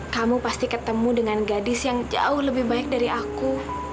kamu pasti ketemu dengan gadis yang jauh lebih baik dari aku